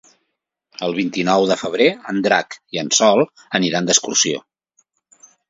El vint-i-nou de febrer en Drac i en Sol aniran d'excursió.